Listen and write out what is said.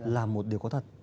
là một điều có thật